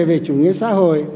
về chủ nghĩa xã hội